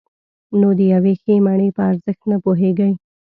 نو د یوې ښې مڼې په ارزښت نه پوهېږئ.